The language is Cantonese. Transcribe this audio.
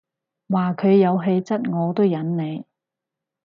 話佢有氣質我都忍你